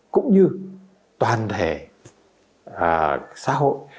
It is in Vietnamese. cũng như toàn thể xã hội